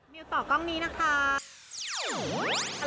วต่อกล้องนี้นะคะ